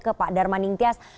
ke pak darman nintias